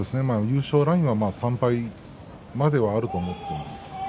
優勝ラインは３敗まではあると思っています。